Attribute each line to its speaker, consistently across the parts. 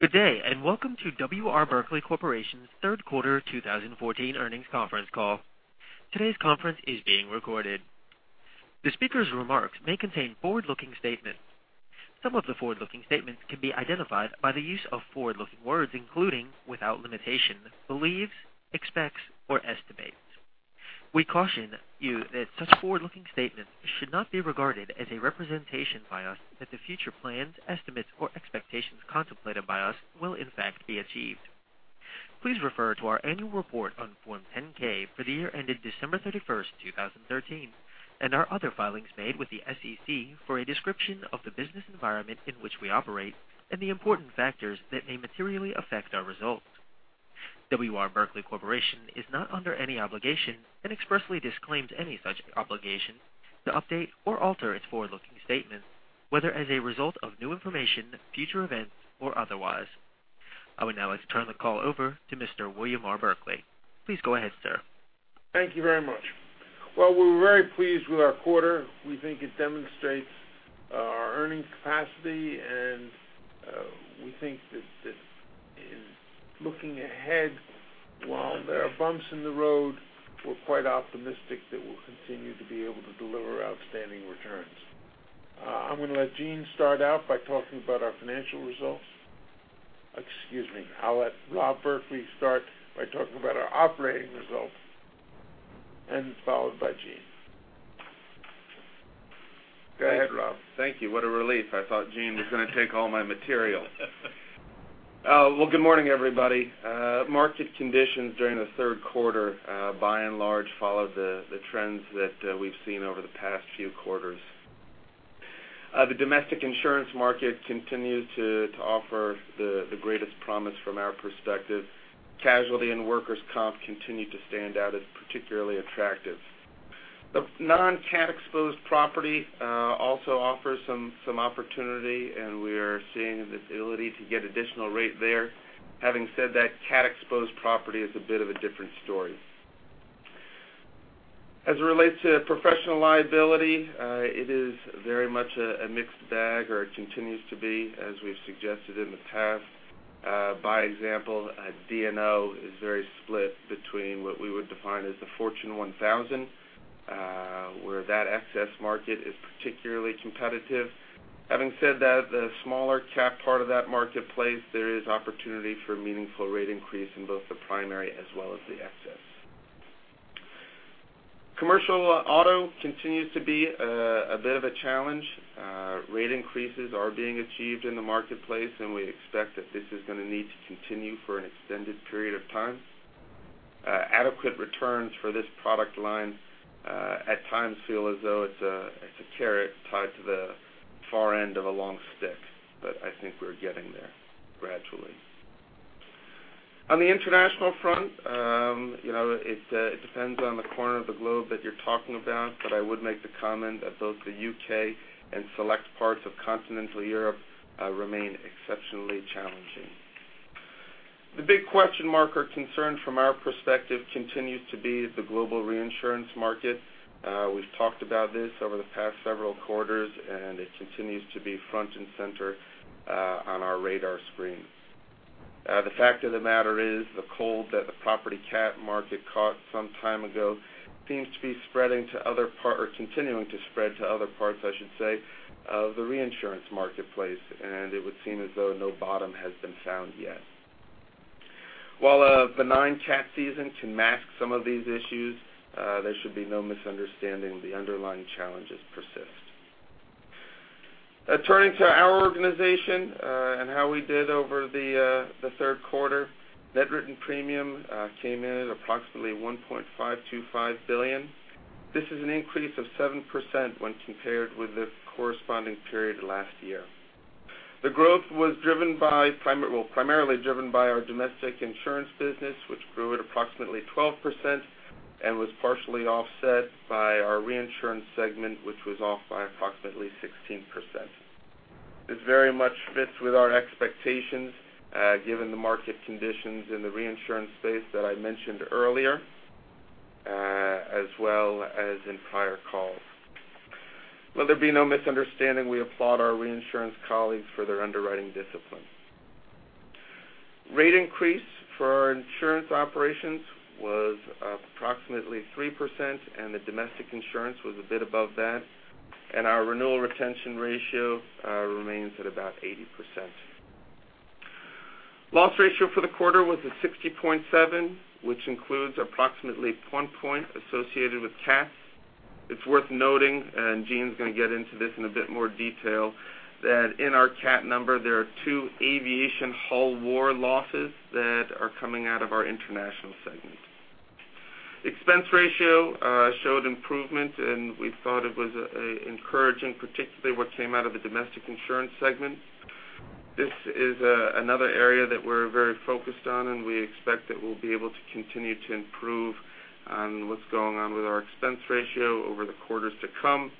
Speaker 1: Good day, welcome to W. R. Berkley Corporation's third quarter 2014 earnings conference call. Today's conference is being recorded. The speaker's remarks may contain forward-looking statements. Some of the forward-looking statements can be identified by the use of forward-looking words, including, without limitation, believes, expects or estimates. We caution you that such forward-looking statements should not be regarded as a representation by us that the future plans, estimates or expectations contemplated by us will in fact be achieved. Please refer to our annual report on Form 10-K for the year ended December 31st, 2013, and our other filings made with the SEC for a description of the business environment in which we operate and the important factors that may materially affect our results. W. R. Berkley Corporation is not under any obligation and expressly disclaims any such obligation to update or alter its forward-looking statements, whether as a result of new information, future events, or otherwise. I would now like to turn the call over to Mr. William R. Berkley. Please go ahead, sir.
Speaker 2: Thank you very much. Well, we're very pleased with our quarter. We think it demonstrates our earnings capacity, we think that in looking ahead, while there are bumps in the road, we're quite optimistic that we'll continue to be able to deliver outstanding returns. I'm going to let Gene start out by talking about our financial results. Excuse me. I'll let Rob Berkley start by talking about our operating results, followed by Gene. Go ahead, Rob.
Speaker 3: Thank you. What a relief. I thought Gene was going to take all my material. Well, good morning, everybody. Market conditions during the third quarter, by and large, followed the trends that we've seen over the past few quarters. The domestic insurance market continues to offer the greatest promise from our perspective. Casualty and workers' comp continue to stand out as particularly attractive. The non-CAT exposed property also offers some opportunity, we are seeing the ability to get additional rate there. Having said that, CAT exposed property is a bit of a different story. As it relates to professional liability, it is very much a mixed bag or continues to be, as we've suggested in the past. By example, a D&O is very split between what we would define as the Fortune 1000, where that excess market is particularly competitive. Having said that, the smaller cap part of that marketplace, there is opportunity for meaningful rate increase in both the primary as well as the excess. Commercial auto continues to be a bit of a challenge. Rate increases are being achieved in the marketplace. We expect that this is going to need to continue for an extended period of time. Adequate returns for this product line at times feel as though it's a carrot tied to the far end of a long stick, I think we're getting there gradually. On the international front, it depends on the corner of the globe that you're talking about, I would make the comment that both the U.K. and select parts of continental Europe remain exceptionally challenging. The big question mark or concern from our perspective continues to be the global reinsurance market. We've talked about this over the past several quarters. It continues to be front and center on our radar screen. The fact of the matter is the cold that the property CAT market caught some time ago seems to be continuing to spread to other parts of the reinsurance marketplace, it would seem as though no bottom has been found yet. While a benign CAT season can mask some of these issues, there should be no misunderstanding, the underlying challenges persist. Turning to our organization and how we did over the third quarter. Net written premium came in at approximately $1.525 billion. This is an increase of 7% when compared with the corresponding period last year. The growth was primarily driven by our domestic insurance business, which grew at approximately 12% and was partially offset by our reinsurance segment, which was off by approximately 16%. This very much fits with our expectations given the market conditions in the reinsurance space that I mentioned earlier, as well as in prior calls. Let there be no misunderstanding, we applaud our reinsurance colleagues for their underwriting discipline. Rate increase for our insurance operations was approximately 3%. The domestic insurance was a bit above that, our renewal retention ratio remains at about 80%. Loss ratio for the quarter was at 60.7, which includes approximately one point associated with CATs. It's worth noting, Gene's going to get into this in a bit more detail, that in our CAT number, there are two aviation hull war losses that are coming out of our international segment. Expense ratio showed improvement. We thought it was encouraging, particularly what came out of the domestic insurance segment. This is another area that we're very focused on. We expect that we'll be able to continue to improve on what's going on with our expense ratio over the quarters to come.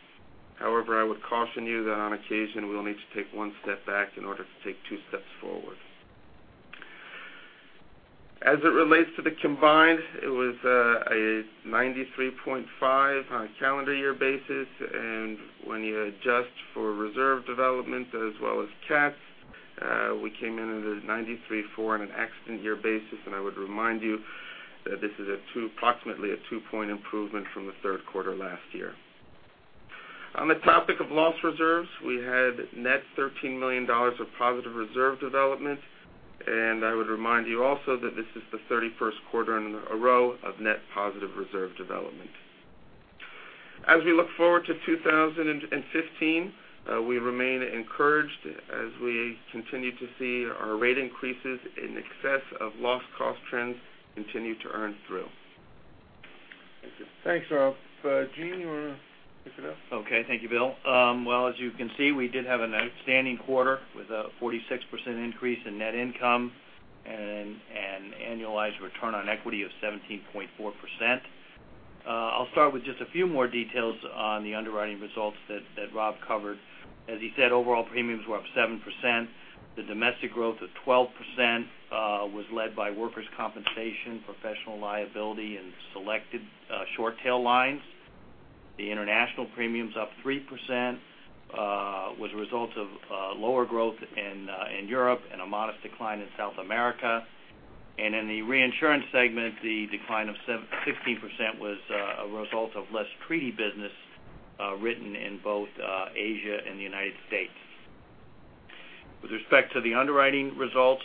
Speaker 3: I would caution you that on occasion, we'll need to take one step back in order to take two steps forward. As it relates to the combined, it was a 93.5 on a calendar year basis. When you adjust for reserve development as well as CATs, we came in at a 93.4 on an accident year basis, I would remind you that this is approximately a two-point improvement from the third quarter last year. On the topic of loss reserves, we had net $13 million of positive reserve development. I would remind you also that this is the 31st quarter in a row of net positive reserve development. As we look forward to 2015, we remain encouraged as we continue to see our rate increases in excess of loss cost trends continue to earn through. Thank you.
Speaker 2: Thanks, Rob. Gene, you want to pick it up?
Speaker 4: Okay. Thank you, Bill. Well, as you can see, we did have an outstanding quarter with a 46% increase in net income and an annualized return on equity of 17.4%. I'll start with just a few more details on the underwriting results that Rob covered. As he said, overall premiums were up 7%. The domestic growth of 12% was led by workers' compensation, professional liability, and selected short tail lines. In the reinsurance segment, the decline of 16% was a result of less treaty business written in both Asia and the United States. With respect to the underwriting results,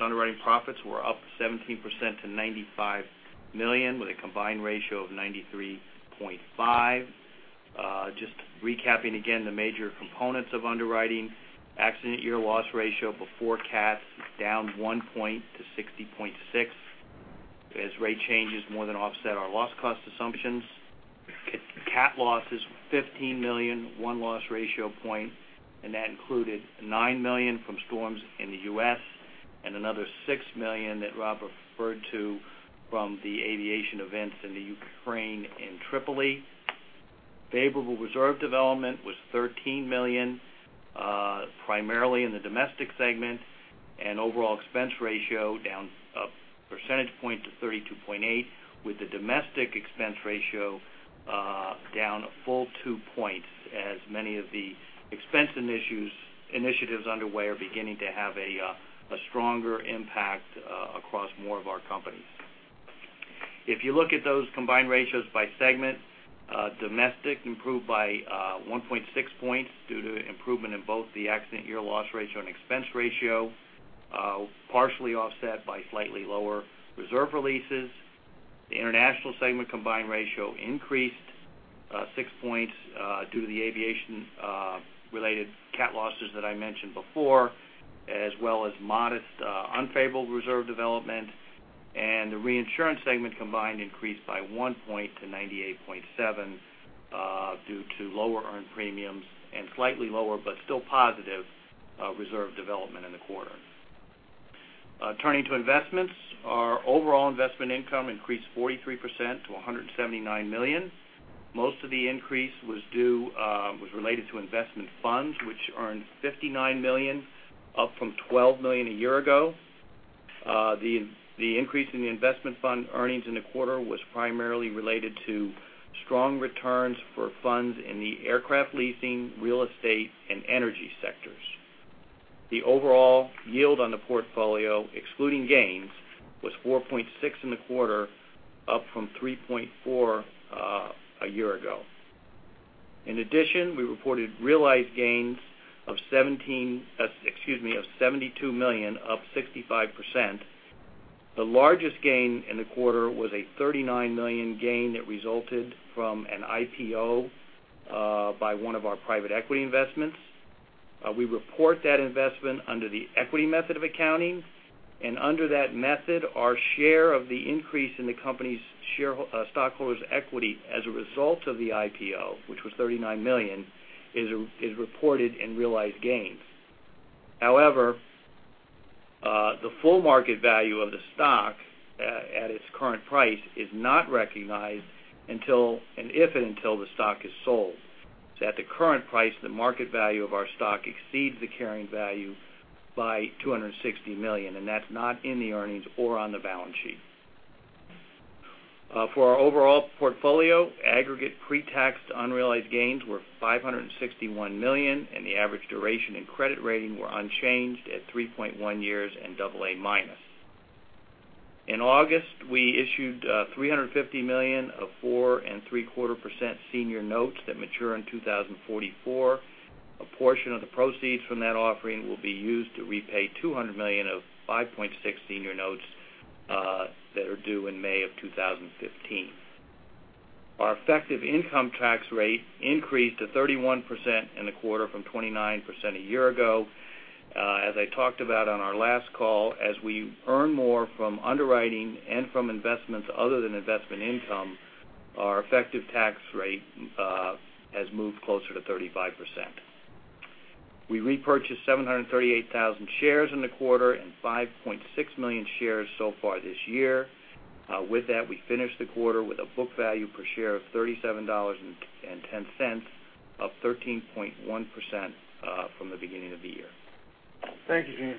Speaker 4: underwriting profits were up 17% to $95 million, with a combined ratio of 93.5%. Just recapping again the major components of underwriting. Accident year loss ratio before CAT down one point to 60.6%, as rate changes more than offset our loss cost assumptions. CAT loss is $15 million, one loss ratio point, and that included $9 million from storms in the U.S. and another $6 million that Rob referred to from the aviation events in the Ukraine and Tripoli. Favorable reserve development was $13 million, primarily in the domestic segment. Overall expense ratio down a percentage point to 32.8%, with the domestic expense ratio down a full two points, as many of the expense initiatives underway are beginning to have a stronger impact across more of our companies. If you look at those combined ratios by segment, domestic improved by 1.6 points due to improvement in both the accident year loss ratio and expense ratio, partially offset by slightly lower reserve releases. The international segment combined ratio increased six points due to the aviation-related CAT losses that I mentioned before, as well as modest unfavorable reserve development, and the reinsurance segment combined increased by one point to 98.7 due to lower earned premiums and slightly lower, but still positive reserve development in the quarter. Turning to investments, our overall investment income increased 43% to $179 million. Most of the increase was related to investment funds, which earned $59 million, up from $12 million a year ago. The increase in the investment fund earnings in the quarter was primarily related to strong returns for funds in the aircraft leasing, real estate, and energy sectors. The overall yield on the portfolio, excluding gains, was 4.6% in the quarter, up from 3.4% a year ago. In addition, we reported realized gains of $72 million, up 65%. The largest gain in the quarter was a $39 million gain that resulted from an IPO by one of our private equity investments. We report that investment under the equity method of accounting. Under that method, our share of the increase in the company's stockholder's equity as a result of the IPO, which was $39 million, is reported in realized gains. However, the full market value of the stock at its current price is not recognized if and until the stock is sold. At the current price, the market value of our stock exceeds the carrying value by $260 million, and that's not in the earnings or on the balance sheet. For our overall portfolio, aggregate pre-tax unrealized gains were $561 million, and the average duration and credit rating were unchanged at 3.1 years and double A minus. In August, we issued $350 million of 4.75% senior notes that mature in 2044. A portion of the proceeds from that offering will be used to repay $200 million of 5.6% senior notes that are due in May of 2015. Our effective income tax rate increased to 31% in the quarter from 29% a year ago. As I talked about on our last call, as we earn more from underwriting and from investments other than investment income, our effective tax rate has moved closer to 35%. We repurchased 738,000 shares in the quarter and 5.6 million shares so far this year. With that, we finished the quarter with a book value per share of $37.10. Up 13.1% from the beginning of the year.
Speaker 2: Thank you, Gene.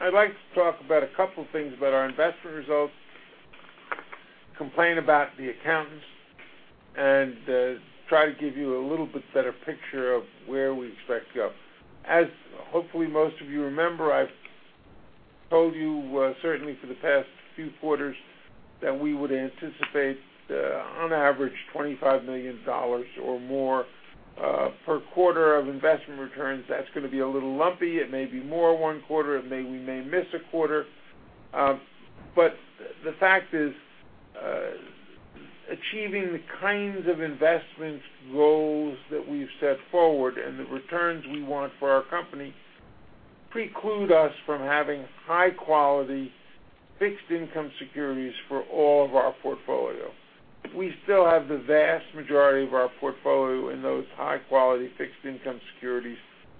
Speaker 2: I'd like to talk about a couple things about our investment results, complain about the accountants, and try to give you a little bit better picture of where we expect to go. As hopefully most of you remember, I've told you certainly for the past few quarters that we would anticipate on average $25 million or more per quarter of investment returns. That's going to be a little lumpy. It may be more one quarter. We may miss a quarter. The fact is, achieving the kinds of investments goals that we've set forward and the returns we want for our company preclude us from having high-quality fixed income securities for all of our portfolio. We still have the vast majority of our portfolio in those high-quality fixed income securities,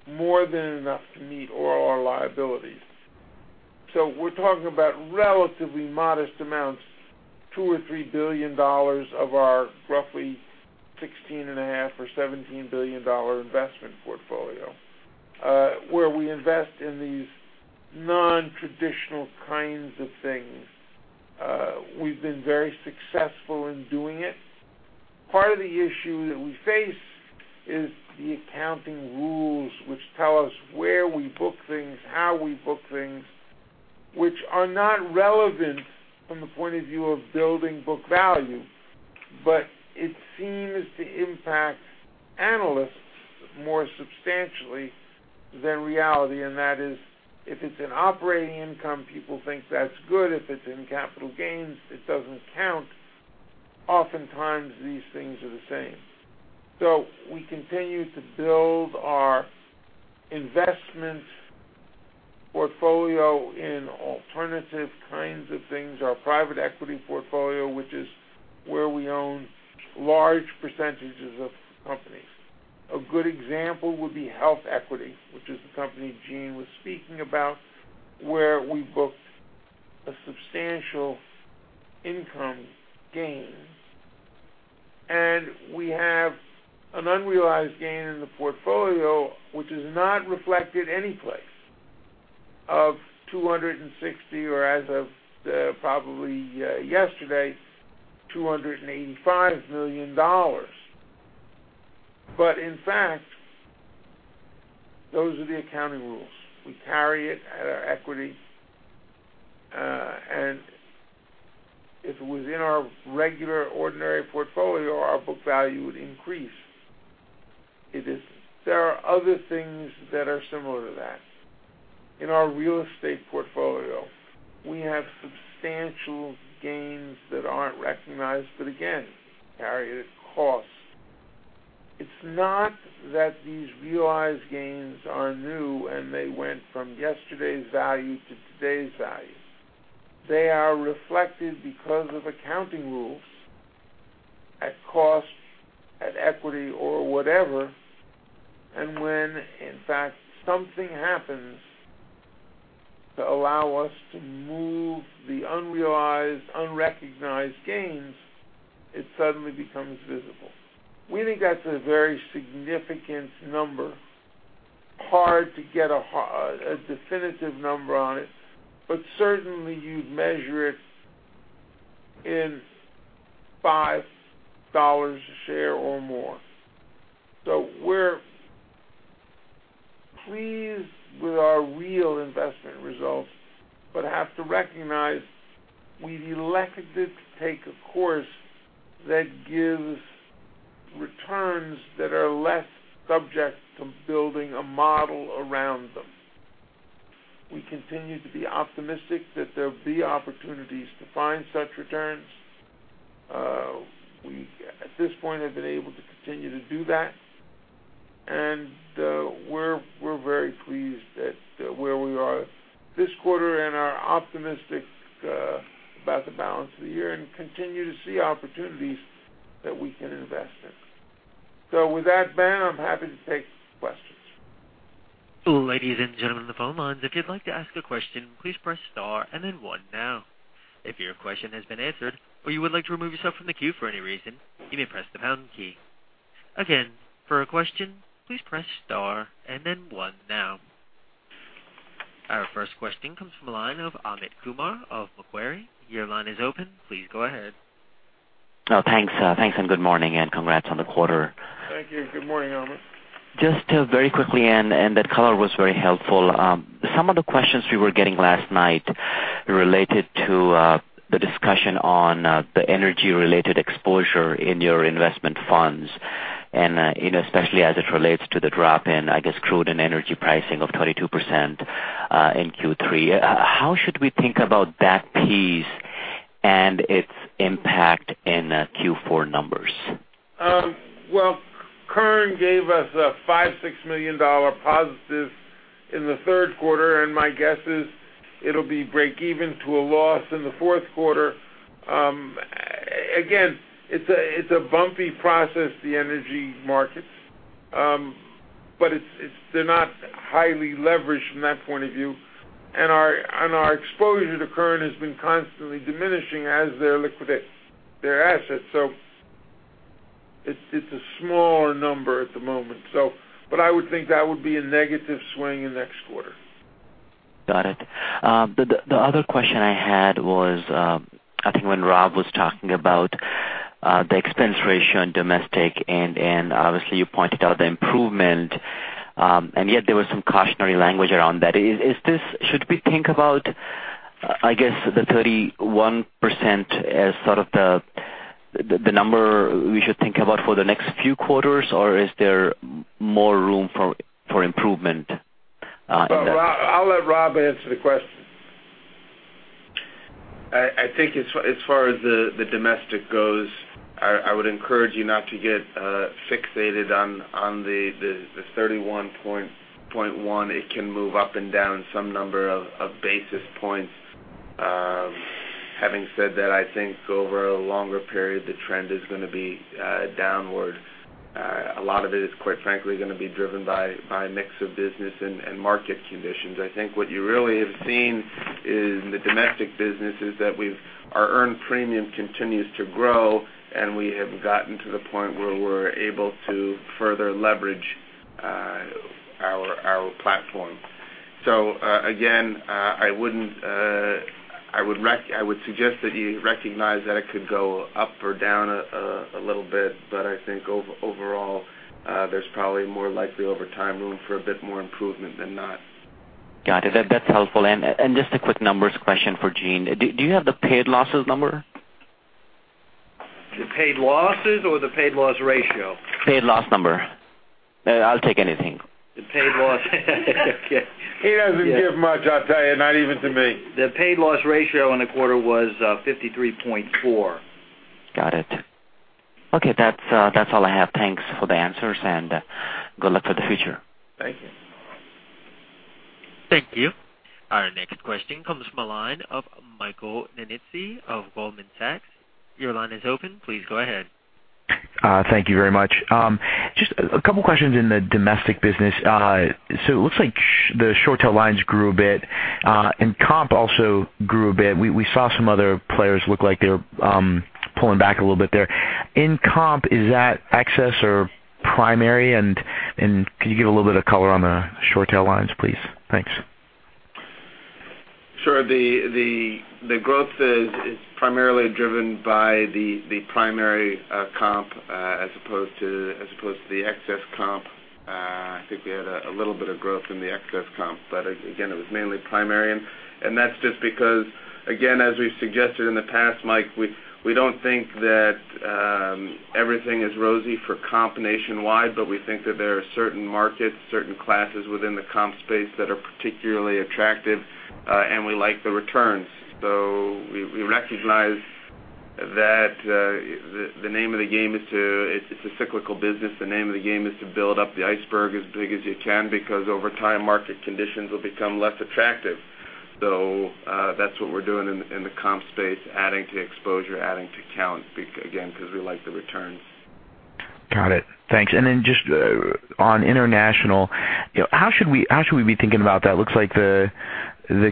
Speaker 2: more than enough to meet all our liabilities. We're talking about relatively modest amounts, $2 billion or $3 billion of our roughly $16.5 billion or $17 billion investment portfolio where we invest in these non-traditional kinds of things. We've been very successful in doing it. Part of the issue that we face is the accounting rules, which tell us where we book things, how we book things, which are not relevant from the point of view of building book value, but it seems to impact analysts more substantially than reality. That is, if it's in operating income, people think that's good. If it's in capital gains, it doesn't count. Oftentimes, these things are the same. We continue to build our investments portfolio in alternative kinds of things, our private equity portfolio, which is where we own large percentages of companies. A good example would be HealthEquity, which is the company Gene was speaking about, where we booked a substantial income gain, and we have an unrealized gain in the portfolio, which is not reflected anyplace of $260 million or as of probably yesterday, $285 million. In fact, those are the accounting rules. We carry it at our equity. If it was in our regular ordinary portfolio, our book value would increase. There are other things that are similar to that. In our real estate portfolio, we have substantial gains that aren't recognized, again, carry it at cost. It's not that these realized gains are new and they went from yesterday's value to today's value. They are reflected because of accounting rules at cost, at equity or whatever. When, in fact, something happens to allow us to move the unrealized, unrecognized gains, it suddenly becomes visible. We think that's a very significant number. Hard to get a definitive number on it, but certainly you'd measure it in $5 a share or more. We're pleased with our real investment results, have to recognize we've elected to take a course that gives returns that are less subject to building a model around them. We continue to be optimistic that there'll be opportunities to find such returns. We, at this point, have been able to continue to do that, we're very pleased at where we are this quarter and are optimistic about the balance of the year and continue to see opportunities that we can invest in. With that, Ben, I'm happy to take questions.
Speaker 1: Ladies and gentlemen on the phone lines, if you'd like to ask a question, please press star and then one now. If your question has been answered or you would like to remove yourself from the queue for any reason, you may press the pound key. Again, for a question, please press star and then one now. Our first question comes from the line of Amit Kumar of Macquarie. Your line is open. Please go ahead.
Speaker 5: Thanks. Good morning, and congrats on the quarter.
Speaker 2: Thank you. Good morning, Amit.
Speaker 5: Just very quickly. That color was very helpful. Some of the questions we were getting last night related to the discussion on the energy-related exposure in your investment funds, and especially as it relates to the drop in, I guess, crude and energy pricing of 22% in Q3. How should we think about that piece and its impact in Q4 numbers?
Speaker 2: Well, current gave us a $5 million-$6 million positive in the third quarter, and my guess is it'll be break even to a loss in the fourth quarter. It's a bumpy process, the energy markets. They're not highly leveraged from that point of view. Our exposure to Current has been constantly diminishing as they liquidate their assets. It's a smaller number at the moment. I would think that would be a negative swing in next quarter.
Speaker 5: Got it. The other question I had was, I think when Rob was talking about the expense ratio on domestic, obviously you pointed out the improvement, yet there was some cautionary language around that. Should we think about, I guess, the 31% as sort of the number we should think about for the next few quarters? Or is there more room for improvement in that?
Speaker 2: Well, I'll let Rob answer the question.
Speaker 3: I think as far as the domestic goes, I would encourage you not to get fixated on the 31.1. It can move up and down some number of basis points. Having said that, I think over a longer period, the trend is going to be downwards. A lot of it is, quite frankly, going to be driven by a mix of business and market conditions. I think what you really have seen in the domestic business is that our earned premium continues to grow, and we have gotten to the point where we're able to further leverage our platform. Again, I would suggest that you recognize that it could go up or down a little bit, but I think overall there's probably more likely over time room for a bit more improvement than not.
Speaker 5: Got it. That's helpful. Just a quick numbers question for Gene. Do you have the paid losses number?
Speaker 4: The paid losses or the paid loss ratio?
Speaker 5: Paid loss number. I'll take anything.
Speaker 4: The paid loss. Okay.
Speaker 2: He doesn't give much, I'll tell you, not even to me.
Speaker 4: The paid loss ratio in the quarter was 53.4%.
Speaker 5: Got it. Okay, that's all I have. Thanks for the answers and good luck for the future.
Speaker 4: Thank you.
Speaker 1: Thank you. Our next question comes from the line of Michael Zaremski of Goldman Sachs. Your line is open. Please go ahead.
Speaker 6: Thank you very much. Just a couple of questions in the domestic business. It looks like the short tail lines grew a bit, and comp also grew a bit. We saw some other players look like they're pulling back a little bit there. In comp, is that excess or primary, and can you give a little bit of color on the short tail lines, please? Thanks.
Speaker 3: Sure. The growth is primarily driven by the primary comp as opposed to the excess comp. I think we had a little bit of growth in the excess comp, but again, it was mainly primary. That's just because, again, as we've suggested in the past, Mike, we don't think that everything is rosy for comp nationwide, but we think that there are certain markets, certain classes within the comp space that are particularly attractive, and we like the returns. We recognize that it's a cyclical business. The name of the game is to build up the iceberg as big as you can, because over time, market conditions will become less attractive. That's what we're doing in the comp space, adding to exposure, adding to count, again, because we like the returns.
Speaker 6: Got it. Thanks. Just on international, how should we be thinking about that? Looks like the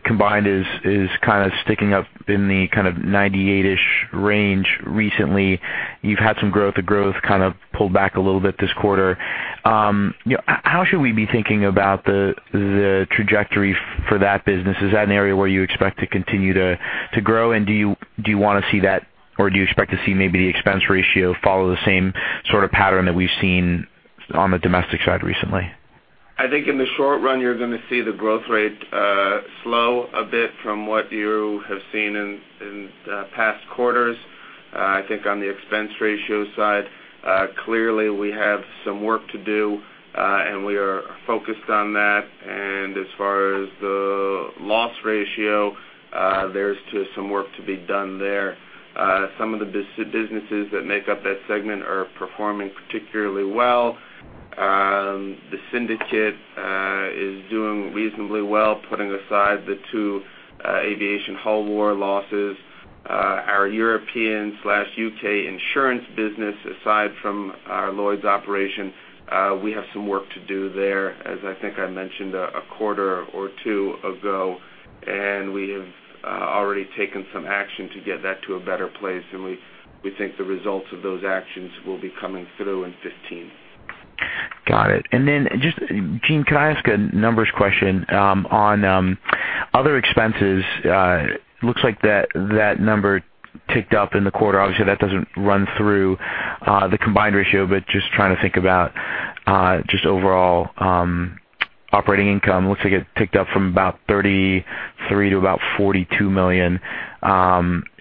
Speaker 6: combined is kind of sticking up in the kind of 98-ish range recently. You've had some growth. The growth kind of pulled back a little bit this quarter. How should we be thinking about the trajectory for that business? Is that an area where you expect to continue to grow? Do you want to see that, or do you expect to see maybe the expense ratio follow the same sort of pattern that we've seen on the domestic side recently?
Speaker 3: I think in the short run, you're going to see the growth rate slow a bit from what you have seen in past quarters. I think on the expense ratio side, clearly we have some work to do, and we are focused on that. As far as the loss ratio, there's just some work to be done there. Some of the businesses that make up that segment are performing particularly well. The syndicate is doing reasonably well, putting aside the two aviation hull war losses. Our European/U.K. insurance business, aside from our Lloyd's operation, we have some work to do there, as I think I mentioned a quarter or two ago, and we have already taken some action to get that to a better place, and we think the results of those actions will be coming through in 2015.
Speaker 6: Got it. Just, Gene, can I ask a numbers question on other expenses? Looks like that number ticked up in the quarter. Obviously, that doesn't run through the combined ratio, but just trying to think about just overall operating income. Looks like it ticked up from about $33 million to about $42 million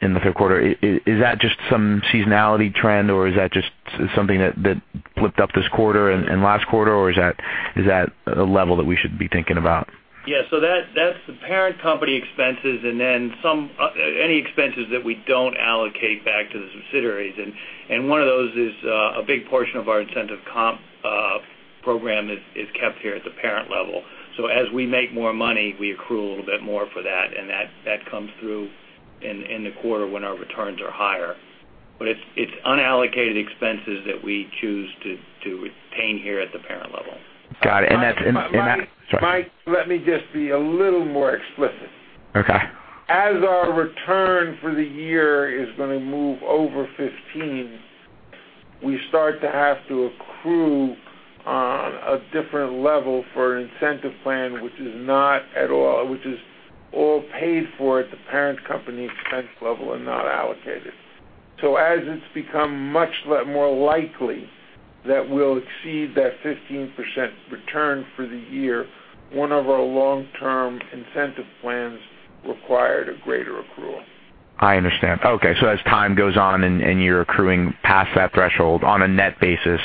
Speaker 6: in the third quarter. Is that just some seasonality trend, or is that just something that flipped up this quarter and last quarter, or is that a level that we should be thinking about?
Speaker 4: Yeah. That's the parent company expenses and then any expenses that we don't allocate back to the subsidiaries. One of those is a big portion of our incentive comp program is kept here at the parent level. As we make more money, we accrue a little bit more for that, and that comes through in the quarter when our returns are higher. It's unallocated expenses that we choose to retain here at the parent level.
Speaker 6: Got it. That's in that Sorry.
Speaker 2: Mike, let me just be a little more explicit.
Speaker 6: Okay.
Speaker 2: Our return for the year is going to move over 15%, we start to have to accrue on a different level for an incentive plan, which is all paid for at the parent company expense level and not allocated. As it's become much more likely that we'll exceed that 15% return for the year, one of our long-term incentive plans required a greater accrual.
Speaker 6: I understand. Okay, as time goes on and you're accruing past that threshold on a net basis,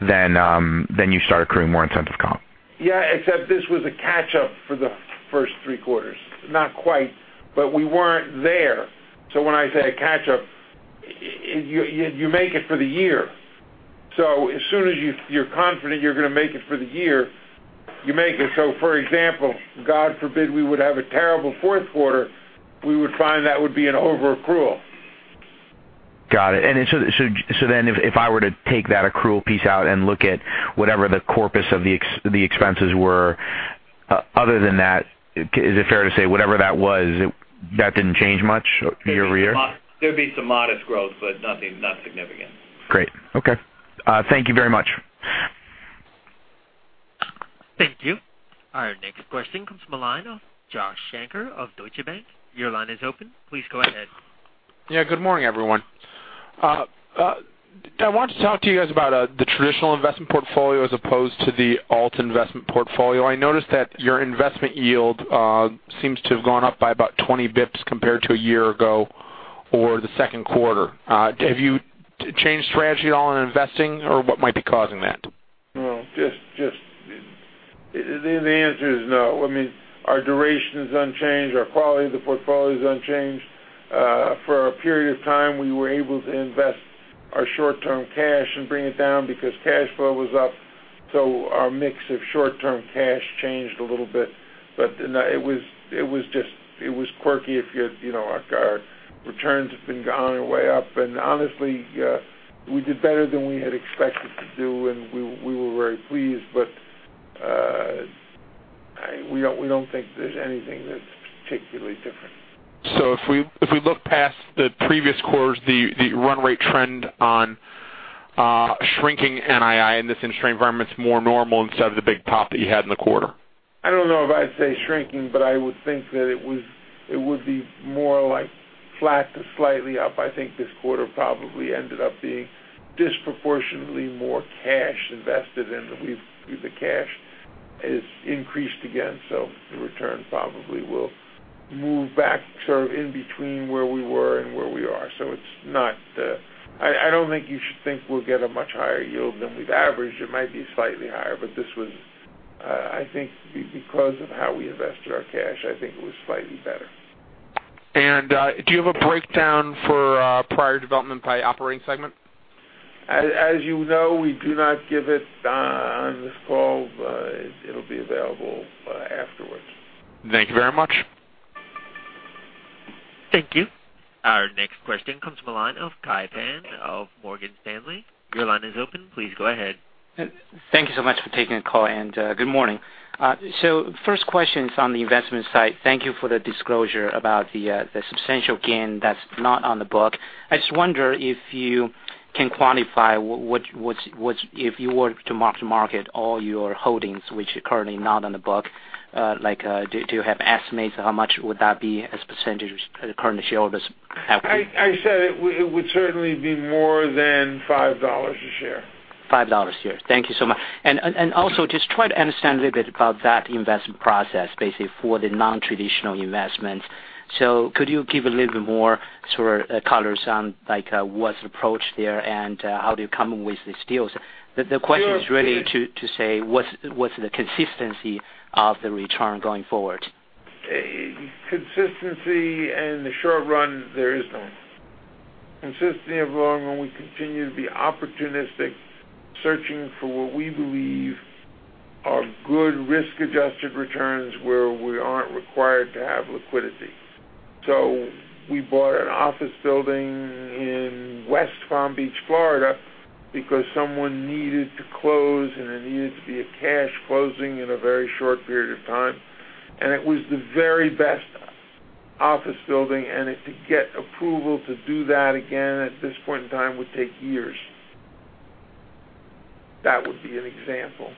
Speaker 6: you start accruing more incentive comp.
Speaker 2: Yeah, except this was a catch-up for the first three quarters. Not quite, but we weren't there. When I say a catch-up, you make it for the year. For example, God forbid, we would have a terrible fourth quarter, we would find that would be an over-accrual.
Speaker 6: Got it. If I were to take that accrual piece out and look at whatever the corpus of the expenses were, other than that, is it fair to say whatever that was, that didn't change much year-over-year?
Speaker 4: There'd be some modest growth, but nothing significant.
Speaker 6: Great. Okay. Thank you very much.
Speaker 1: Thank you. Our next question comes from the line of Joshua Shanker of Deutsche Bank. Your line is open. Please go ahead.
Speaker 7: Yeah, good morning, everyone. I want to talk to you guys about the traditional investment portfolio as opposed to the alt investment portfolio. I noticed that your investment yield seems to have gone up by about 20 basis points compared to a year ago or the second quarter. Have you changed strategy at all in investing, or what might be causing that?
Speaker 2: No. The answer is no. Our duration is unchanged. Our quality of the portfolio is unchanged. For a period of time, we were able to invest our short-term cash and bring it down because cash flow was up. Our mix of short-term cash changed a little bit. It was quirky. Honestly, we did better than we had expected to do, and we were very pleased. We don't think there's anything that's particularly different.
Speaker 7: If we look past the previous quarters, the run rate trend on shrinking NII in this industry environment is more normal instead of the big pop that you had in the quarter.
Speaker 2: I don't know if I'd say shrinking, I would think that it would be more like flat to slightly up. I think this quarter probably ended up being disproportionately more cash invested in. The cash has increased again, the return probably will move back sort of in between where we were and where we are. I don't think you should think we'll get a much higher yield than we've averaged. It might be slightly higher. I think because of how we invested our cash, I think it was slightly better.
Speaker 7: Do you have a breakdown for prior development by operating segment?
Speaker 2: As you know, we do not give it on this call, but it'll be available afterwards.
Speaker 7: Thank you very much.
Speaker 1: Thank you. Our next question comes from the line of Kai Pan of Morgan Stanley. Your line is open. Please go ahead.
Speaker 8: Thank you so much for taking the call, and good morning. The first question is on the investment side. Thank you for the disclosure about the substantial gain that's not on the book. I just wonder if you can quantify, if you were to mark-to-market all your holdings which are currently not on the book, do you have estimates of how much would that be as a percentage of the current shareholders' equity?
Speaker 2: I said it would certainly be more than $5 a share.
Speaker 8: $5 a share. Thank you so much. Also, just try to understand a little bit about that investment process, basically for the non-traditional investments. Could you give a little bit more sort of color on what's the approach there, and how do you come up with these deals? The question is really to say, what's the consistency of the return going forward?
Speaker 2: Consistency in the short run, there is none. Consistency in the long run, we continue to be opportunistic, searching for what we believe are good risk-adjusted returns where we aren't required to have liquidity. We bought an office building in West Palm Beach, Florida, because someone needed to close, and it needed to be a cash closing in a very short period of time. It was the very best office building, and to get approval to do that again at this point in time would take years. That would be an example.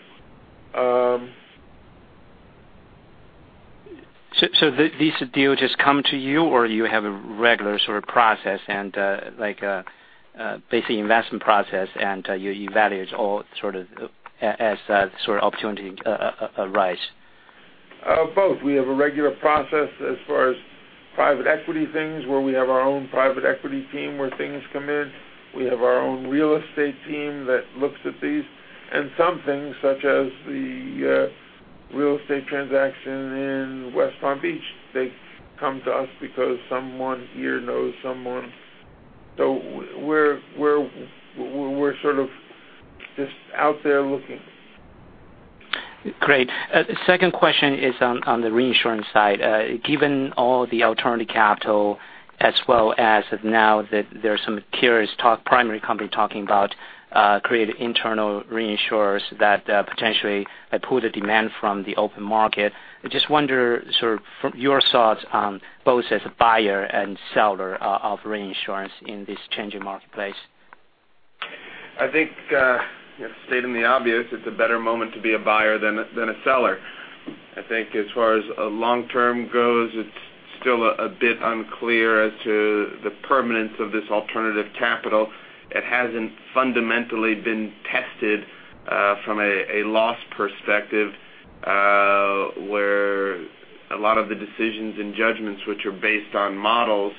Speaker 8: These deals just come to you, or you have a regular sort of process, like a basic investment process, and you evaluate as opportunity arises?
Speaker 2: Both. We have a regular process as far as private equity things where we have our own private equity team where things come in. We have our own real estate team that looks at these. Some things, such as the real estate transaction in West Palm Beach, they come to us because someone here knows someone. We're sort of just out there looking.
Speaker 8: Great. Second question is on the reinsurance side. Given all the alternative capital as well as of now that there are some carriers, primary companies talking about creating internal reinsurers that potentially pulling the demand from the open market. I just wonder your thoughts on both as a buyer and seller of reinsurance in this changing marketplace.
Speaker 3: I think, stating the obvious, it's a better moment to be a buyer than a seller. I think as far as long term goes, it's still a bit unclear as to the permanence of this alternative capital. It hasn't fundamentally been tested from a loss perspective, where a lot of the decisions and judgments which are based on models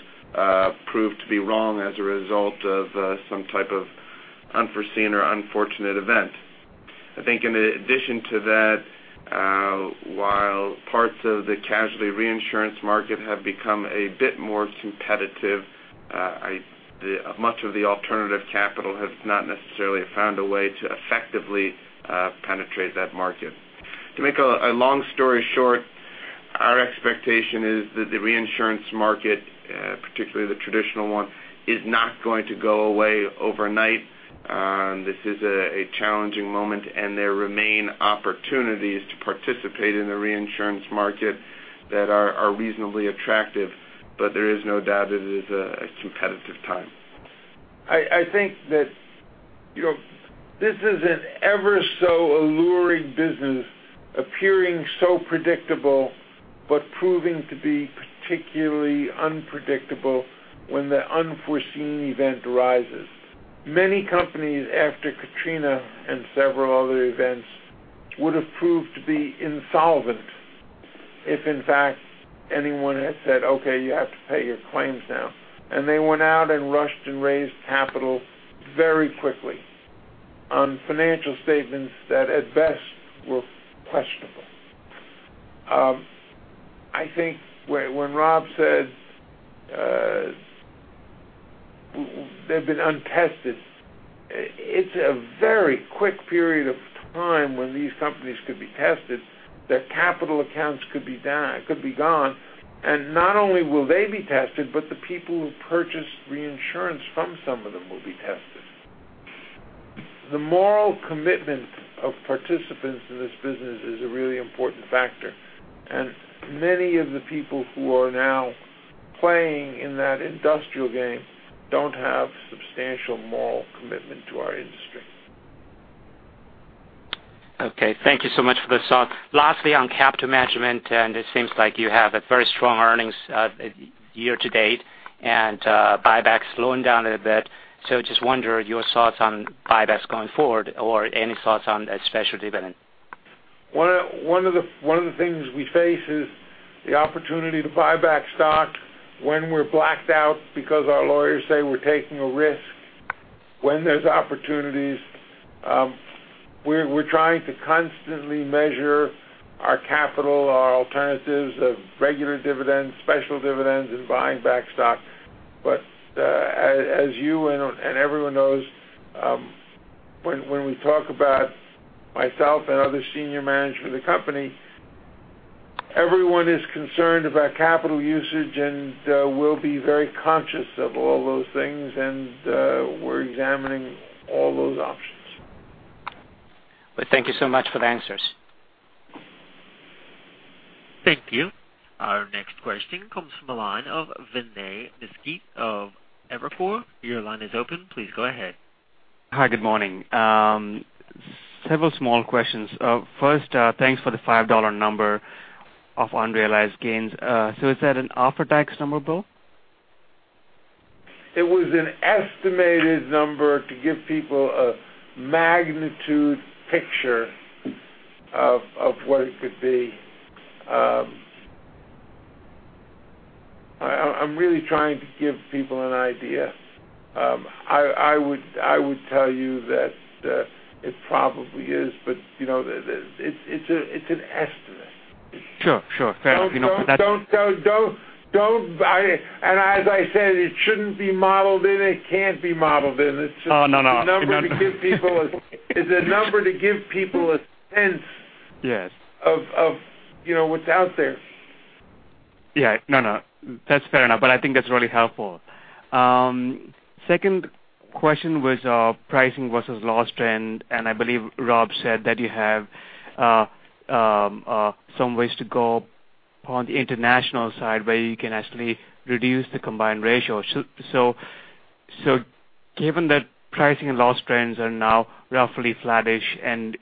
Speaker 3: prove to be wrong as a result of some type of unforeseen or unfortunate event. I think in addition to that, while parts of the casualty reinsurance market have become a bit more competitive, much of the alternative capital has not necessarily found a way to effectively penetrate that market. To make a long story short, our expectation is that the reinsurance market, particularly the traditional one, is not going to go away overnight. This is a challenging moment, and there remain opportunities to participate in the reinsurance market that are reasonably attractive, but there is no doubt it is a competitive time.
Speaker 2: I think that this is an ever so alluring business, appearing so predictable, but proving to be particularly unpredictable when the unforeseen event arises. Many companies after Katrina and several other events would have proved to be insolvent if, in fact, anyone had said, "Okay, you have to pay your claims now." They went out and rushed and raised capital very quickly on financial statements that, at best, were questionable. I think when Rob said they've been untested, it's a very quick period of time when these companies could be tested, their capital accounts could be gone, and not only will they be tested, but the people who purchased reinsurance from some of them will be tested. The moral commitment of participants in this business is a really important factor, and many of the people who are now playing in that industrial game don't have substantial moral commitment to our industry.
Speaker 8: Okay. Thank you so much for the thought. Lastly, on capital management, and it seems like you have a very strong earnings year-to-date and buyback slowing down a little bit. Just wonder your thoughts on buybacks going forward or any thoughts on a special dividend.
Speaker 2: One of the things we face is the opportunity to buy back stock when we're blacked out because our lawyers say we're taking a risk when there's opportunities. We're trying to constantly measure our capital, our alternatives of regular dividends, special dividends, and buying back stock. As you and everyone knows, when we talk about myself and other senior management of the company, everyone is concerned about capital usage, and we'll be very conscious of all those things, and we're examining all those options.
Speaker 8: Thank you so much for the answers.
Speaker 1: Thank you. Our next question comes from the line of Vinay Misquith of Evercore. Your line is open. Please go ahead.
Speaker 9: Hi, good morning. Several small questions. First, thanks for the $5 number of unrealized gains. Is that an after-tax number, Bill?
Speaker 2: It was an estimated number to give people a magnitude picture of what it could be. I'm really trying to give people an idea. I would tell you that it probably is, but it's an estimate.
Speaker 9: Sure. Fair enough.
Speaker 2: As I said, it shouldn't be modeled in, it can't be modeled in.
Speaker 9: Oh, no.
Speaker 2: It's a number to give people a sense-
Speaker 9: Yes
Speaker 2: of what's out there.
Speaker 9: Yeah. No, that's fair enough, but I think that's really helpful. Second question was pricing versus loss trend, and I believe Rob said that you have some ways to go on the international side where you can actually reduce the combined ratio. Given that pricing and loss trends are now roughly flattish and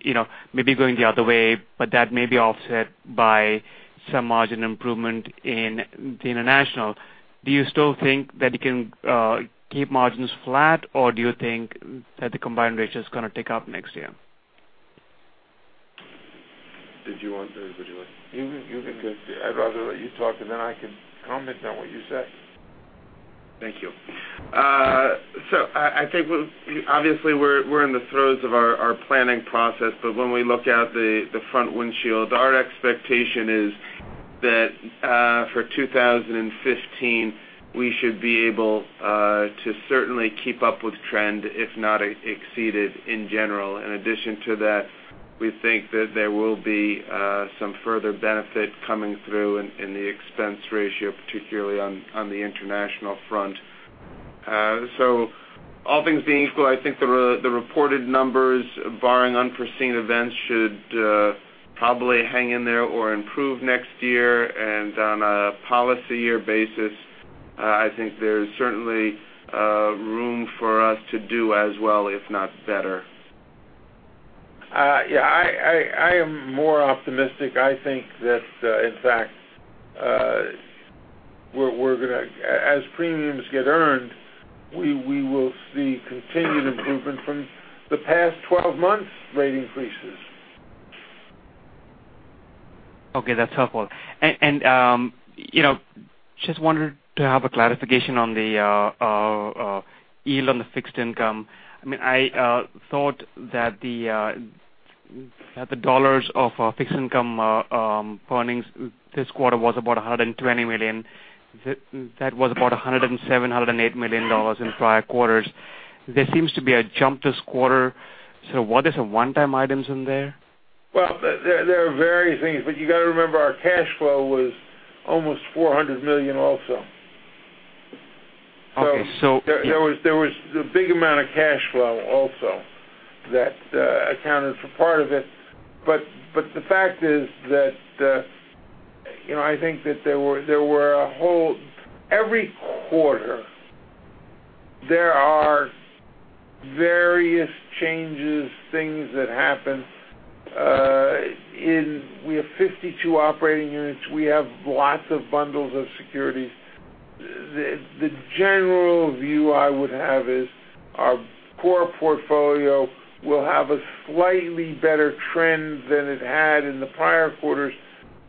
Speaker 9: maybe going the other way, but that may be offset by some margin improvement in the international, do you still think that you can keep margins flat, or do you think that the combined ratio is going to tick up next year?
Speaker 3: Did you want to? Would you like to?
Speaker 2: You can go. I'd rather let you talk, and then I can comment on what you say.
Speaker 3: Thank you. I think, obviously, we're in the throes of our planning process, but when we look out the front windshield, our expectation is that for 2015, we should be able to certainly keep up with trend if not exceed it in general. In addition to that, we think that there will be some further benefit coming through in the expense ratio, particularly on the international front. All things being equal, I think the reported numbers, barring unforeseen events, should probably hang in there or improve next year. On a policy year basis, I think there's certainly room for us to do as well, if not better.
Speaker 2: Yeah. I am more optimistic. I think that, in fact, as premiums get earned, we will see continued improvement from the past 12 months' rate increases.
Speaker 9: Okay. That's helpful. Just wanted to have a clarification on the yield on the fixed income. I thought that the dollars of fixed income earnings this quarter was about $120 million. That was about $107 million, $108 million in prior quarters. There seems to be a jump this quarter. Was this a one-time item in there?
Speaker 2: There are various things, but you got to remember our cash flow was almost $400 million also.
Speaker 9: Okay.
Speaker 2: There was a big amount of cash flow also that accounted for part of it. The fact is that, every quarter there are various changes, things that happen. We have 52 operating units. We have lots of bundles of securities. The general view I would have is our core portfolio will have a slightly better trend than it had in the prior quarters,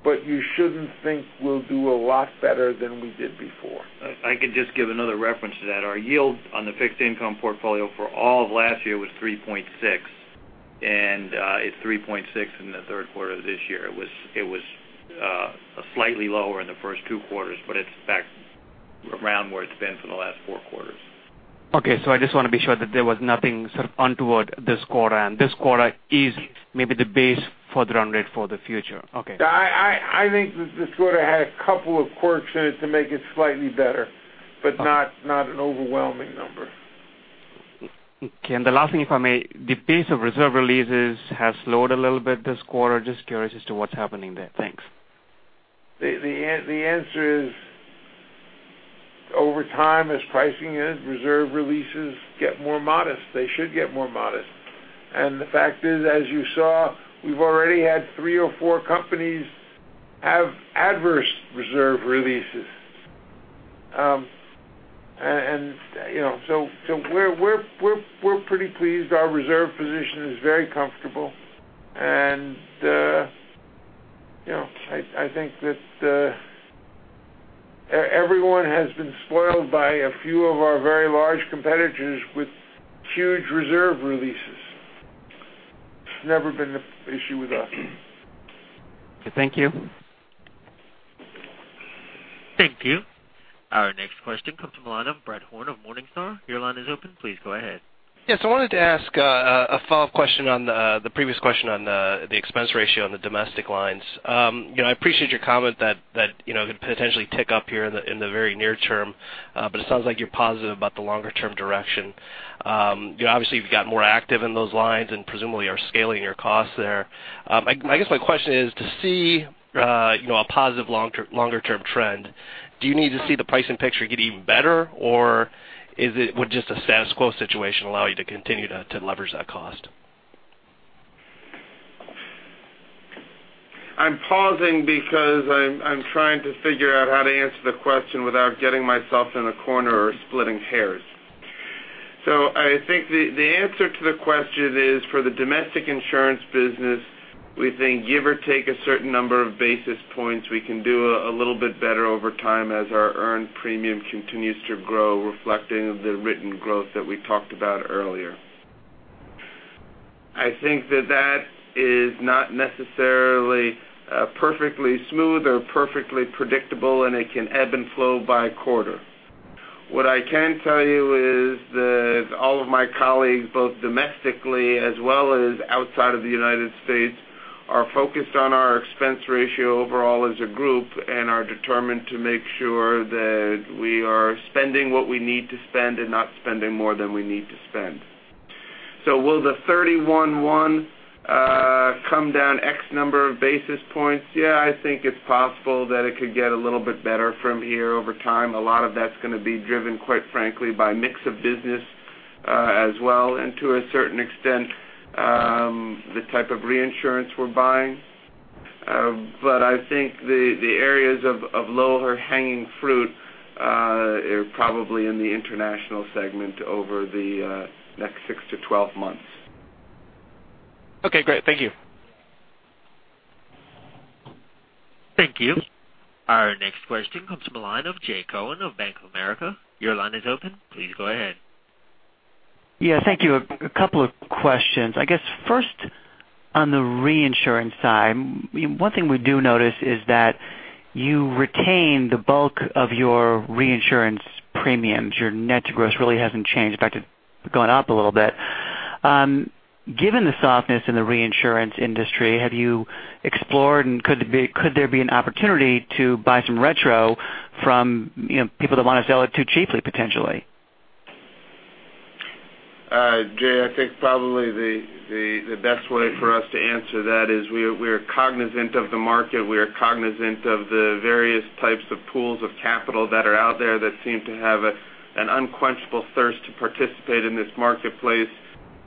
Speaker 2: but you shouldn't think we'll do a lot better than we did before.
Speaker 3: If I could just give another reference to that. Our yield on the fixed income portfolio for all of last year was 3.6, and it's 3.6 in the third quarter of this year. It was slightly lower in the first two quarters, but it's back around where it's been for the last four quarters.
Speaker 9: Okay. I just want to be sure that there was nothing sort of untoward this quarter, and this quarter is maybe the base for the run rate for the future. Okay.
Speaker 2: I think that this quarter had a couple of quirks in it to make it slightly better, but not an overwhelming number.
Speaker 9: Okay. The last thing, if I may. The pace of reserve releases has slowed a little bit this quarter. Just curious as to what's happening there. Thanks.
Speaker 2: The answer is, over time, as pricing in reserve releases get more modest, they should get more modest. The fact is, as you saw, we've already had three or four companies have adverse reserve releases. We're pretty pleased. Our reserve position is very comfortable, and I think that everyone has been spoiled by a few of our very large competitors with huge reserve releases. It's never been an issue with us.
Speaker 9: Thank you.
Speaker 1: Thank you. Our next question comes from the line of Brett Horn of Morningstar. Your line is open. Please go ahead.
Speaker 10: Yes, I wanted to ask a follow-up question on the previous question on the expense ratio on the domestic lines. I appreciate your comment that it could potentially tick up here in the very near term, but it sounds like you're positive about the longer-term direction. Obviously, you've got more active in those lines and presumably are scaling your costs there. I guess my question is to see a positive longer-term trend, do you need to see the pricing picture get even better, or would just a status quo situation allow you to continue to leverage that cost?
Speaker 3: I'm pausing because I'm trying to figure out how to answer the question without getting myself in a corner or splitting hairs. I think the answer to the question is for the domestic insurance business, we think give or take a certain number of basis points, we can do a little bit better over time as our earned premium continues to grow, reflecting the written growth that we talked about earlier. I think that that is not necessarily perfectly smooth or perfectly predictable, and it can ebb and flow by quarter. What I can tell you is that all of my colleagues, both domestically as well as outside of the United States, are focused on our expense ratio overall as a group and are determined to make sure that we are spending what we need to spend and not spending more than we need to spend. Will the 31.1 come down X number of basis points? Yeah, I think it's possible that it could get a little bit better from here over time. A lot of that's going to be driven, quite frankly, by mix of business as well and to a certain extent, the type of reinsurance we're buying. I think the areas of lower hanging fruit are probably in the international segment over the next six to 12 months.
Speaker 10: Okay, great. Thank you.
Speaker 1: Thank you. Our next question comes from the line of Jay Cohen of Bank of America. Your line is open. Please go ahead.
Speaker 11: Thank you. A couple of questions. I guess, first, on the reinsurance side, one thing we do notice is that you retain the bulk of your reinsurance premiums. Your net to gross really hasn't changed. In fact, it's gone up a little bit. Given the softness in the reinsurance industry, have you explored, and could there be an opportunity to buy some retro from people that want to sell it too cheaply, potentially?
Speaker 3: Jay, I think probably the best way for us to answer that is we are cognizant of the market. We are cognizant of the various types of pools of capital that are out there that seem to have an unquenchable thirst to participate in this marketplace.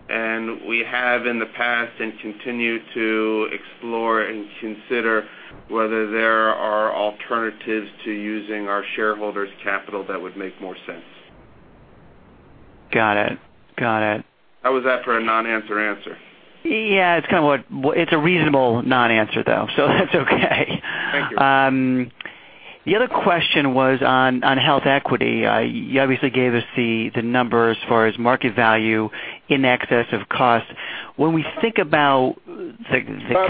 Speaker 3: We have in the past and continue to explore and consider whether there are alternatives to using our shareholders' capital that would make more sense.
Speaker 11: Got it.
Speaker 3: How was that for a non-answer answer?
Speaker 11: Yeah. It's a reasonable non-answer, though, so that's okay.
Speaker 3: Thank you.
Speaker 11: The other question was on HealthEquity. You obviously gave us the numbers for its market value in excess of cost. When we think about the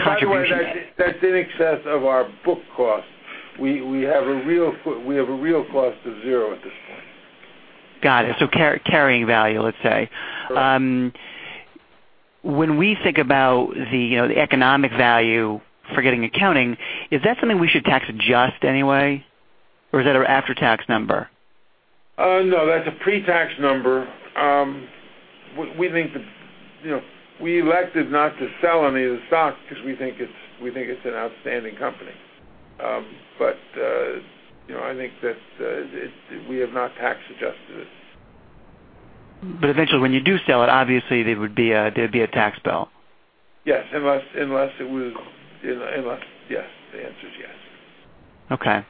Speaker 11: contribution-
Speaker 3: By the way, that's in excess of our book cost. We have a real cost of zero at this point.
Speaker 11: Got it. Carrying value, let's say.
Speaker 3: Correct.
Speaker 11: When we think about the economic value, forgetting accounting, is that something we should tax adjust anyway, or is that an after-tax number?
Speaker 3: No, that's a pre-tax number. We elected not to sell any of the stock because we think it's an outstanding company. I think that we have not tax adjusted it.
Speaker 11: Eventually, when you do sell it, obviously, there'd be a tax bill.
Speaker 3: Yes. The answer is yes.
Speaker 11: Okay.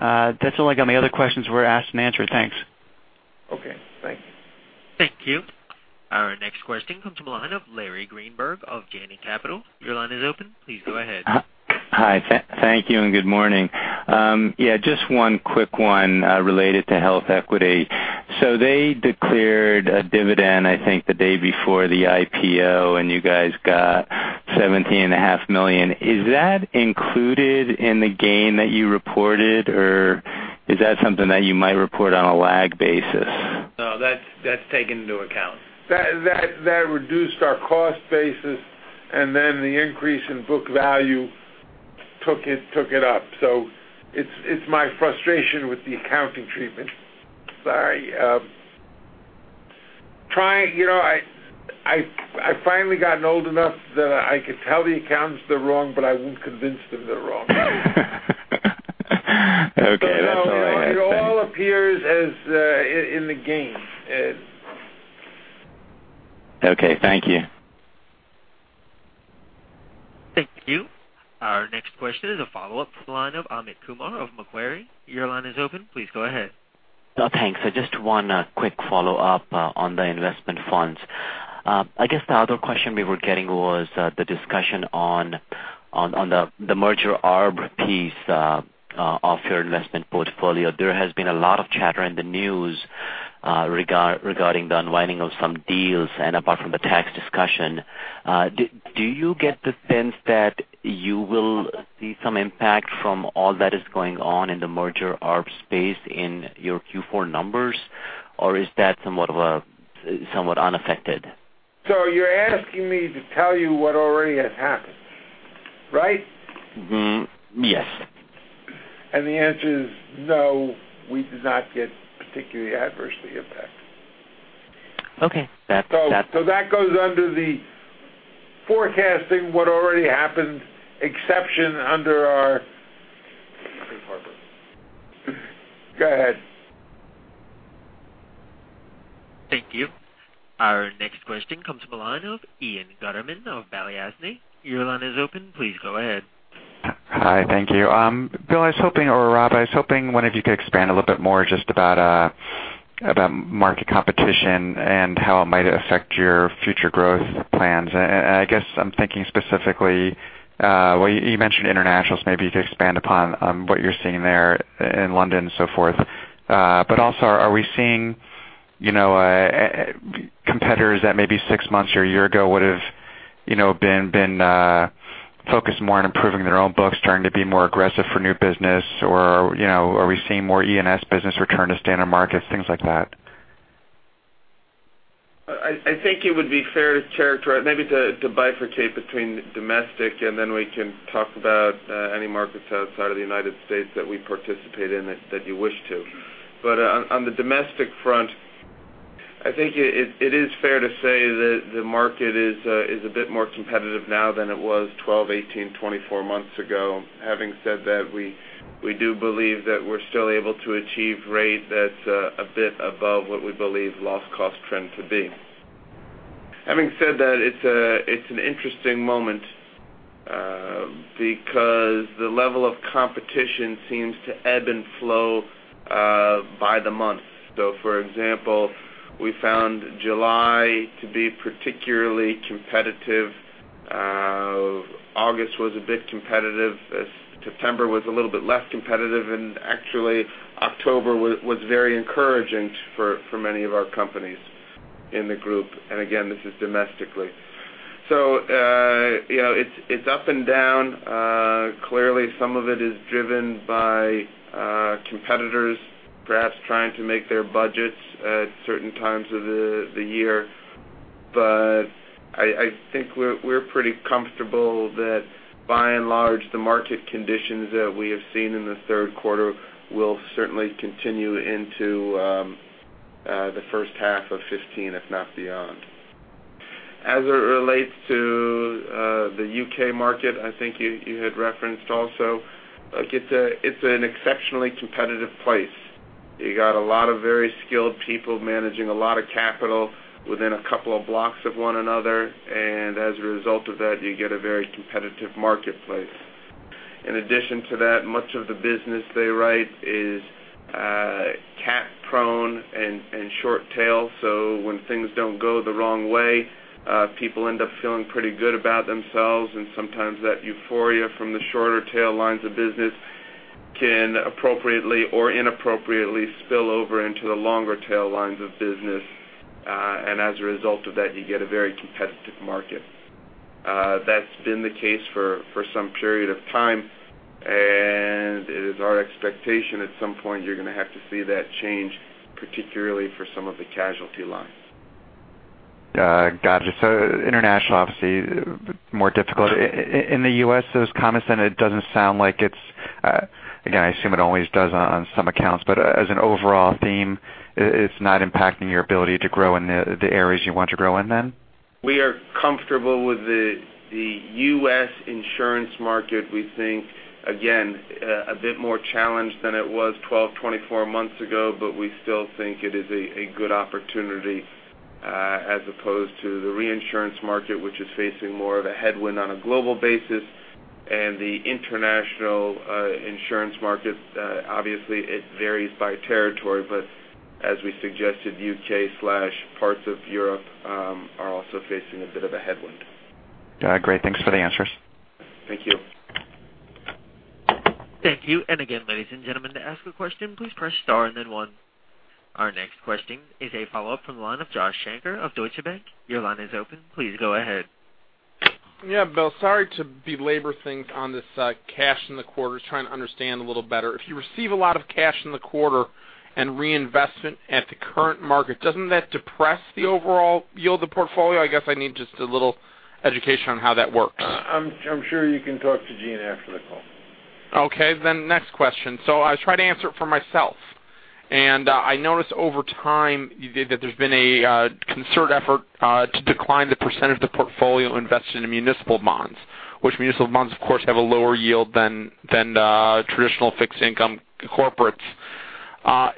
Speaker 11: That's all I got. My other questions were asked and answered. Thanks.
Speaker 3: Okay. Thank you.
Speaker 1: Thank you. Our next question comes from the line of Larry Greenberg of Janney Capital. Your line is open. Please go ahead.
Speaker 12: Hi. Thank you and good morning. Just one quick one related to HealthEquity. They declared a dividend, I think, the day before the IPO, and you guys got $17.5 million. Is that included in the gain that you reported, or is that something that you might report on a lag basis?
Speaker 3: No, that's taken into account.
Speaker 2: That reduced our cost basis, and then the increase in book value took it up. It's my frustration with the accounting treatment. Sorry. I've finally gotten old enough that I could tell the accountants they're wrong, I wouldn't convince them they're wrong.
Speaker 12: Okay. That's all I had. Thanks.
Speaker 2: It all appears as in the gain.
Speaker 12: Okay. Thank you.
Speaker 1: Thank you. Our next question is a follow-up to the line of Amit Kumar of Macquarie. Your line is open. Please go ahead.
Speaker 5: Thanks. Just one quick follow-up on the investment funds. I guess the other question we were getting was the discussion on the merger arb piece of your investment portfolio. There has been a lot of chatter in the news regarding the unwinding of some deals. Apart from the tax discussion, do you get the sense that you will see some impact from all that is going on in the merger arb space in your Q4 numbers, or is that somewhat unaffected?
Speaker 3: You're asking me to tell you what already has happened, right?
Speaker 5: Yes.
Speaker 3: The answer is no, we did not get particularly adversely impacted.
Speaker 5: Okay. That's.
Speaker 3: That goes under the forecasting what already happened exception under our.
Speaker 11: Under Harper.
Speaker 3: Go ahead.
Speaker 1: Thank you. Our next question comes from the line of Ian Gutterman of Balyasny. Your line is open. Please go ahead.
Speaker 13: Hi. Thank you. Bill, I was hoping, or Rob, I was hoping one of you could expand a little bit more just about market competition and how it might affect your future growth plans. I guess I'm thinking specifically, well, you mentioned internationals, maybe you could expand upon what you're seeing there in London, so forth. Also, are we seeing competitors that maybe six months or a year ago would've been focused more on improving their own books, starting to be more aggressive for new business, or are we seeing more E&S business return to standard markets, things like that?
Speaker 3: I think it would be fair to characterize, maybe to bifurcate between domestic, and then we can talk about any markets outside of the United States that we participate in if you wish to. On the domestic front, I think it is fair to say that the market is a bit more competitive now than it was 12, 18, 24 months ago. Having said that, we do believe that we're still able to achieve rate that's a bit above what we believe loss cost trend to be. Having said that, it's an interesting moment because the level of competition seems to ebb and flow by the month. For example, we found July to be particularly competitive August was a bit competitive. September was a little bit less competitive, and actually October was very encouraging for many of our companies in the group, and again, this is domestically. It's up and down. Clearly, some of it is driven by competitors, perhaps trying to make their budgets at certain times of the year. I think we're pretty comfortable that by and large, the market conditions that we have seen in the third quarter will certainly continue into the first half of 2015, if not beyond. As it relates to the U.K. market, I think you had referenced also, look, it's an exceptionally competitive place. You got a lot of very skilled people managing a lot of capital within a couple of blocks of one another, and as a result of that, you get a very competitive marketplace. In addition to that, much of the business they write is CAT-prone and short tail, so when things don't go the wrong way, people end up feeling pretty good about themselves, and sometimes that euphoria from the shorter tail lines of business can appropriately or inappropriately spill over into the longer tail lines of business. As a result of that, you get a very competitive market. That's been the case for some period of time, and it is our expectation at some point you're going to have to see that change, particularly for some of the casualty lines.
Speaker 13: Got you. International, obviously more difficult. In the U.S., those comments then, again, I assume it always does on some accounts, but as an overall theme, it's not impacting your ability to grow in the areas you want to grow in then?
Speaker 3: We are comfortable with the U.S. insurance market. We think, again, a bit more challenged than it was 12, 24 months ago, but we still think it is a good opportunity as opposed to the reinsurance market, which is facing more of a headwind on a global basis, and the international insurance market. Obviously, it varies by territory, but as we suggested, U.K./parts of Europe are also facing a bit of a headwind.
Speaker 13: Great. Thanks for the answers.
Speaker 3: Thank you.
Speaker 1: Thank you. Again, ladies and gentlemen, to ask a question, please press star and then one. Our next question is a follow-up from the line of Joshua Shanker of Deutsche Bank. Your line is open. Please go ahead.
Speaker 7: Yeah, Bill, sorry to belabor things on this cash in the quarter. Just trying to understand a little better. If you receive a lot of cash in the quarter and reinvestment at the current market, doesn't that depress the overall yield of portfolio? I guess I need just a little education on how that works.
Speaker 3: I'm sure you can talk to Gene after the call.
Speaker 7: Okay. Next question. I try to answer it for myself. I noticed over time that there's been a concerted effort to decline the percentage of the portfolio invested in municipal bonds, which municipal bonds, of course, have a lower yield than traditional fixed income corporates.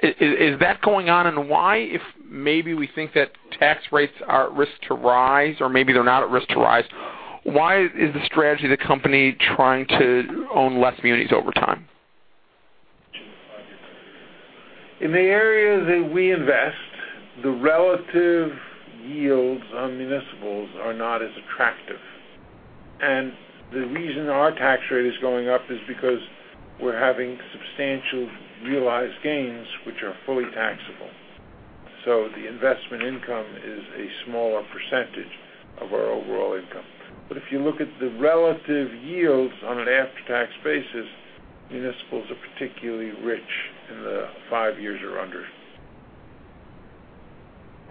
Speaker 7: Is that going on? Why, if maybe we think that tax rates are at risk to rise or maybe they're not at risk to rise, why is the strategy of the company trying to own less munis over time?
Speaker 3: In the areas that we invest, the relative yields on municipals are not as attractive. The reason our tax rate is going up is because we're having substantial realized gains, which are fully taxable. The investment income is a smaller percentage of our overall income. If you look at the relative yields on an after-tax basis, municipals are particularly rich in the five years or under.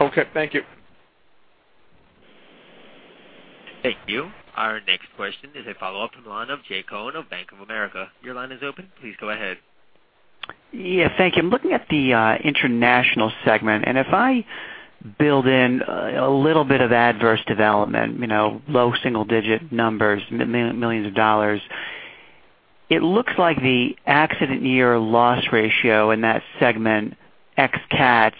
Speaker 7: Okay, thank you.
Speaker 1: Thank you. Our next question is a follow-up from the line of Jay Cohen of Bank of America. Your line is open. Please go ahead.
Speaker 11: Thank you. If I build in a little bit of adverse development, low single-digit numbers, millions of dollars, it looks like the accident year loss ratio in that segment, ex CATs,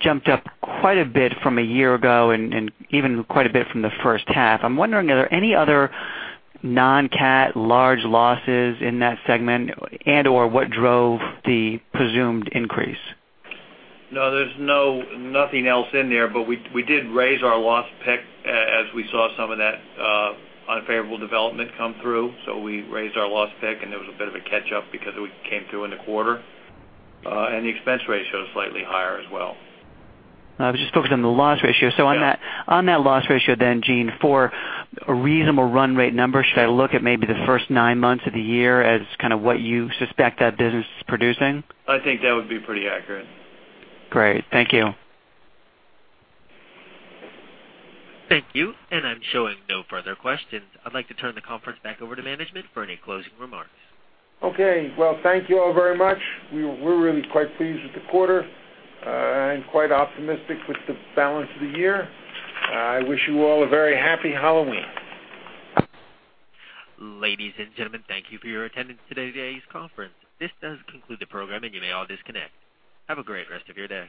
Speaker 11: jumped up quite a bit from a year ago and even quite a bit from the first half. I'm wondering, are there any other non-CAT large losses in that segment and/or what drove the presumed increase?
Speaker 4: No, there's nothing else in there. We did raise our loss pick as we saw some of that unfavorable development come through. We raised our loss pick, and there was a bit of a catch-up because it came through in the quarter. The expense ratio is slightly higher as well.
Speaker 11: I was just focused on the loss ratio.
Speaker 4: Yeah.
Speaker 11: On that loss ratio then, Gene, for a reasonable run rate number, should I look at maybe the first nine months of the year as kind of what you suspect that business is producing?
Speaker 4: I think that would be pretty accurate.
Speaker 11: Great. Thank you.
Speaker 1: Thank you. I'm showing no further questions. I'd like to turn the conference back over to management for any closing remarks.
Speaker 3: Okay. Well, thank you all very much. We're really quite pleased with the quarter and quite optimistic with the balance of the year. I wish you all a very happy Halloween.
Speaker 1: Ladies and gentlemen, thank you for your attendance today's conference. This does conclude the program, and you may all disconnect. Have a great rest of your day.